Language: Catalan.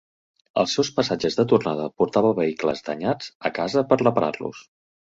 Als seus passatges de tornada, portava vehicles danyats a casa per reparar-los.